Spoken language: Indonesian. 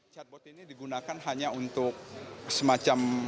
chatbot ini digunakan hanya untuk semacam